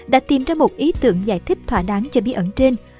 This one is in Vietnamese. đã tìm ra một ý tưởng giải thích thỏa đáng cho bí ẩn trên